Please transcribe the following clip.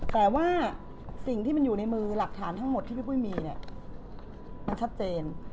แต่ว่าสิ่งที่มันอยู่ในมือหลักฐานทั้งหมดที่พี่ปุ้ยมีเนี่ยมันชัดเจน